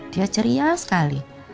dia ceria sekali